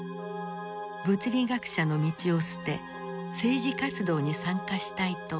物理学者の道を捨て政治活動に参加したいと申し出た。